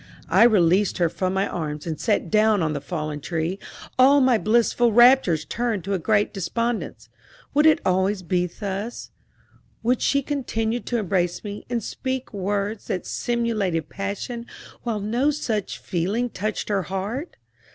I released her from my arms and sat down on the fallen tree, all my blissful raptures turned to a great despondence. Would it always be thus would she continue to embrace me, and speak words that simulated passion while no such feeling touched her heart?